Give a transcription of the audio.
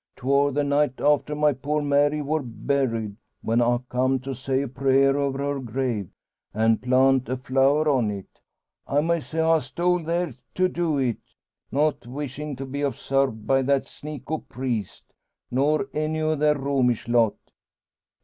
'Twar the night after my poor Mary wor buried, when I comed to say a prayer over her grave, an' plant a flower on it. I may say I stole there to do it; not wishin' to be obsarved by that sneak o' a priest, nor any o' their Romish lot.